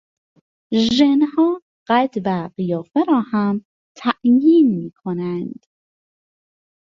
ژنها قد و قیافه را هم تعیین میکنند.